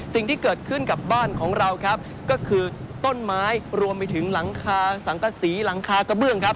สิ่งที่เกิดขึ้นกับบ้านของเราครับก็คือต้นไม้รวมไปถึงหลังคาสังกษีหลังคากระเบื้องครับ